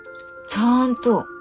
ちゃんと。